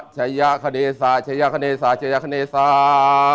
ชายะขณะสาชายะขณะสาชายะขณะสา